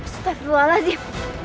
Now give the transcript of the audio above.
sudah berulang zip